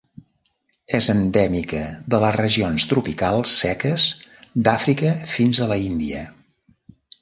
És endèmica de les regions tropicals seques d'Àfrica fins a l'Índia.